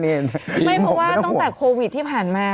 ไม่เพราะว่าตั้งแต่โควิดที่ผ่านมา